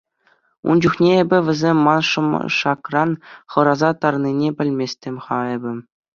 Ун чухне эпӗ вӗсем ман шӑмшакран хӑраса тарнине пӗлместӗм-ха эпӗ.